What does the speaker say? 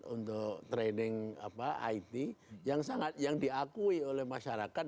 untuk training it yang sangat yang diakui oleh masyarakat